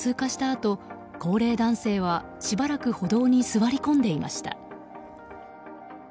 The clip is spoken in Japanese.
あと高齢男性はしばらく歩道に座り込んでいました。